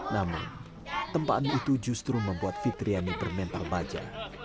namun tempaan itu justru membuat fitriani bermentar baja